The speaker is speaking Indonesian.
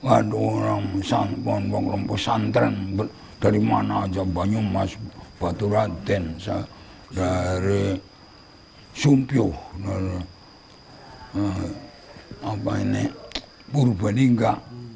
ada orang orang pesantren dari mana saja banyumas baturaden dari sumpuh purbalingga